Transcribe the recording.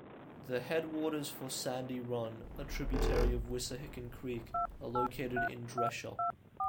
The headwaters for Sandy Run, a tributary of Wissahickon Creek are located in Dresher.